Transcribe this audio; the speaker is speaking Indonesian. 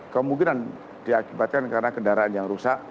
kemungkinan diakibatkan karena kendaraan yang rusak